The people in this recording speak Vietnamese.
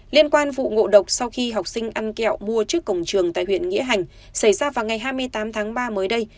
liên quan vụ ngộ độc sau khi học sinh ăn kẹo mua trước cổng trường tại huyện nghĩa hành xảy ra vào ngày hai mươi tám tháng ba mới đây